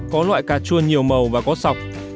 có loại cà chua nhiều màu và có sọc